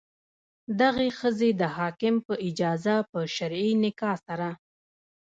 دغې ښځې د حاکم په اجازه په شرعي نکاح سره.